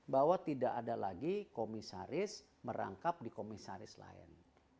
bahwa tidak ada lagi komisaris merangkap di komisaris lain